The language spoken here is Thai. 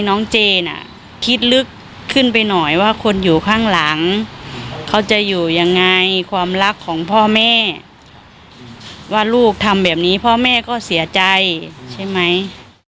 มีความรักของพ่อแม่ว่าลูกทำแบบนี้พ่อแม่ก็เสียใจใช่ไหม